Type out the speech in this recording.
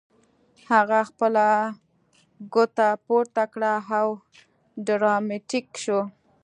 هغه خپله ګوته پورته کړه او ډراماتیک شو